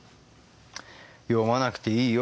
読まなくていいよ。